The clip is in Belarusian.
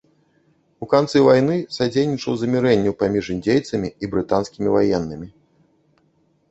У канцы вайны садзейнічаў замірэнню паміж індзейцамі і брытанскімі ваеннымі.